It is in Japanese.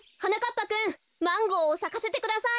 ぱくんマンゴーをさかせてください。